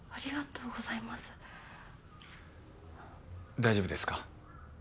大丈夫ですか？